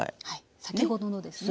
先ほどのですね。